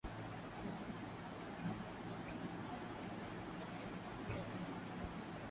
Kiwango cha maambukizi ya ukurutu kwa ngombe hutegemea udhibiti wa vijidudu vya magonjwa